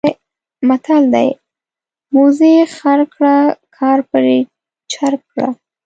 متل دی: موزي خر کړه کار پرې چرب کړه.